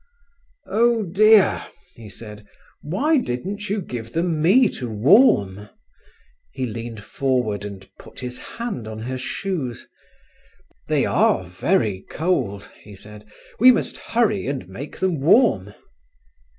"Oh dear!" he said. "Why didn't you give them me to warm?" He leaned forward, and put his hand on her shoes. "They are very cold," he said. "We must hurry and make them warm."